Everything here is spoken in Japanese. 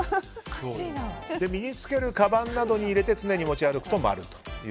身に着けるかばんなどに入れて常に持ち歩くと○と。